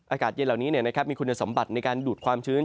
อากาศเย็นเหล่านี้มีคุณสมบัติในการดูดความชื้น